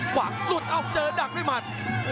หวังรุดออกเจอดรักด้วยหมัด